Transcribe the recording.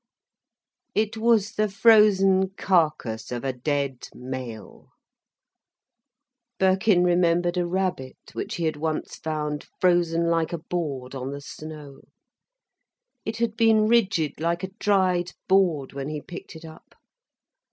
It was the frozen carcase of a dead male. Birkin remembered a rabbit which he had once found frozen like a board on the snow. It had been rigid like a dried board when he picked it up.